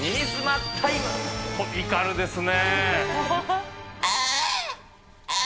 コミカルですね。